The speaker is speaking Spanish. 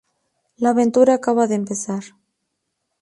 La aventura acaba de empezar.